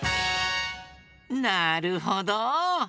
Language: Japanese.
なるほど！